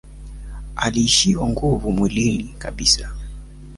Aliishiwa nguvu mwilini kabisa